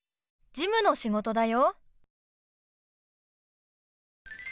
事務の仕事だよ。